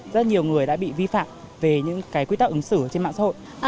rất nhiều người đã bị vi phạm về những cái quy tắc ứng xử trên mạng xã hội